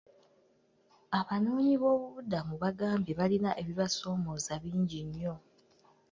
Abanoonyiboobubudamu baagambye baalina ebibasoomooza bingi nnyo.